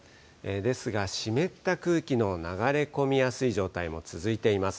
ですが、湿った空気の流れ込みやすい状態も続いています。